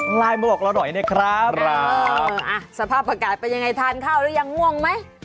ไลน์มาบอกเราหน่อยนะครับสภาพอากาศเป็นยังไงทานข้าวหรือยังง่วงไหม